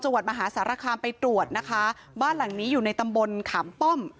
วัดมหาสารคามไปตรวจนะคะบ้านหลังนี้อยู่ในตำบลขามป้อม